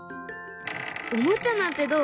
おもちゃなんてどう？